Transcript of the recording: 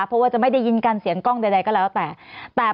เพราะว่าจะไม่ได้ยินกันเสียงกล้องใดก็แล้วแต่